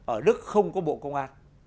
ở đức không có bộ công an